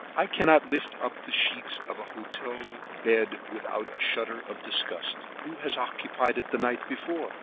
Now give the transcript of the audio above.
I cannot lift up the sheets of a hotel bed without a shudder of disgust. Who has occupied it the night before?